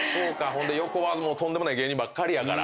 ほんで横はとんでもない芸人ばっかりやから。